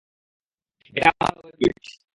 এটা আমার web fluid.